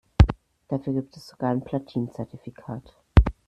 Dafür gibt es sogar ein Platin-Zertifikat.